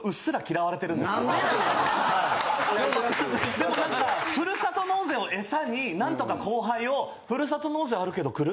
でもなんかふるさと納税をエサになんとか後輩を「ふるさと納税あるけど来る？」